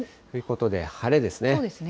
ということで、晴れですね。